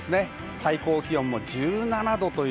最高気温１７度。